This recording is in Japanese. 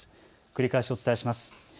繰り返しお伝えします。